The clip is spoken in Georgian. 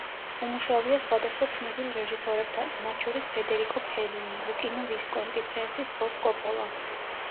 უმუშავია სხვადასხვა ცნობილ რეჟისორებთან, მათ შორის ფედერიკო ფელინი, ლუკინო ვისკონტი, ფრენსის ფორდ კოპოლა.